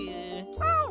うん！